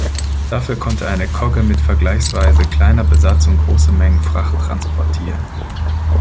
Dafür konnte eine Kogge mit vergleichsweise kleiner Besatzung große Mengen Fracht transportieren.